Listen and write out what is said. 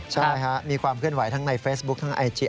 ใช่มีความเคลื่อนไหวทั้งในเฟซบุ๊คทั้งไอจี